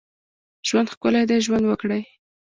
ژوند ښکلی دی ، ژوند وکړئ